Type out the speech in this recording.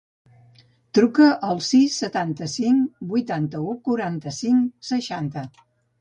Truca al sis, setanta-cinc, vuitanta-u, quaranta-cinc, seixanta.